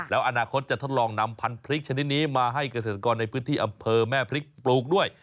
แล้วอนาคตจะทดลองนำพันธุพริกชนิดนี้มาให้เกษตรกรในพื้นที่อำเภอแม่พริกปลูกด้วย